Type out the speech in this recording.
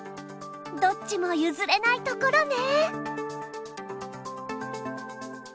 どっちも譲れないところね。